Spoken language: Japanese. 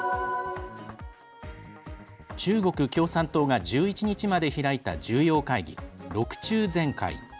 中国共産党が１１日まで開いた重要会議、６中全会。